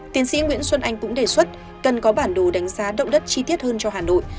tiến sĩ nguyễn xuân anh cũng đề xuất cần có bản đồ đánh giá động đất chi tiết hơn cho hà nội